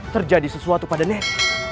terjadi sesuatu pada net